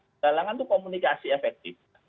penggalangan itu komunikasi efektif